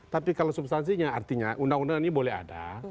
tapi kalau substansinya artinya undang undang ini boleh ada